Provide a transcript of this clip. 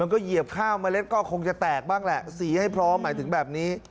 ก็เหยียบข้าวเมล็ดก็คงจะแตกบ้างแหละสีให้พร้อมหมายถึงแบบนี้